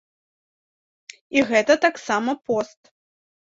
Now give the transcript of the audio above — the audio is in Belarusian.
І гэта таксама пост.